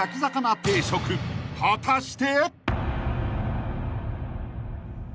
［果たして］